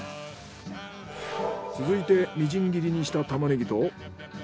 続いてみじん切りにしたタマネギと。